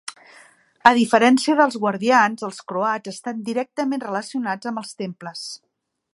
A diferència dels guardians, els croats estan directament relacionats amb els temples.